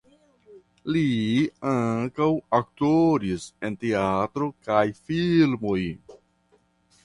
Li ankaŭ aktoris en teatro kaj filmoj.